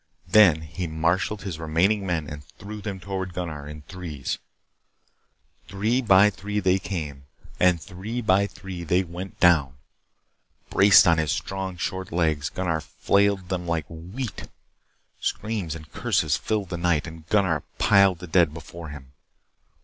Then he martialled his remaining men and threw them toward Gunnar in threes. Three by three they came, and three by three they went down. Braced on his strong, short legs Gunnar flailed them like wheat. Screams and curses filled the night. And Gunnar piled the dead before him.